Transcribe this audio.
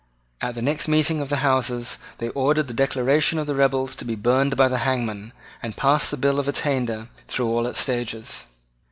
At the next meeting of the Houses they ordered the Declaration of the rebels to be burned by the hangman, and passed the bill of attainder through all its stages.